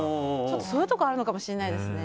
そういうとこあるのかもしれないですよね。